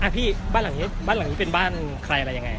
พี่บ้านหลังนี้เป็นบ้านใครอะไรยังไงครับ